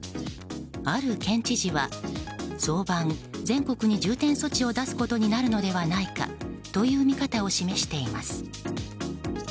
ある県知事は早晩、全国に重点措置を出すことになるのではないかという見方を示しています。